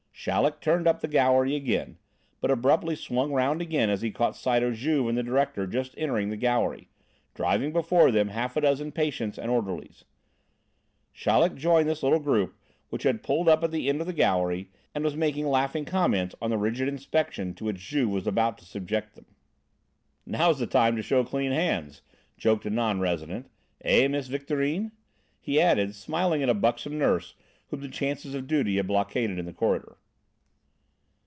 Chaleck turned up the gallery again, but abruptly swung round again as he caught sight of Juve and the director just entering the gallery, driving before them half a dozen patients and orderlies. Chaleck joined this little group, which had pulled up at the end of the gallery and was making laughing comments on the rigid inspection to which Juve was just about to subject them. "Now's the time to show clean hands," joked a non resident, "eh, Miss Victorine?" he added, smiling at a buxom nurse whom the chances of duty had blockaded in the corridor.